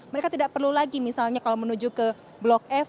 mereka tidak perlu lagi misalnya kalau menuju ke blok f